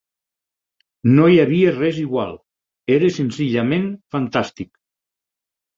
No hi havia res igual; era senzillament fantàstic.